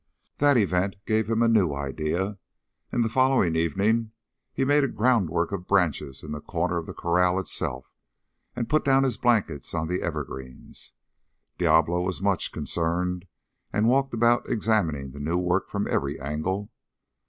That event gave him a new idea, and the following evening he made a groundwork of branches in the corner of the corral itself, and put down his blankets on the evergreens. Diablo was much concerned and walked about examining the new work from every angle.